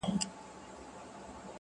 د تکراري حُسن چيرمني هر ساعت نوې یې ـ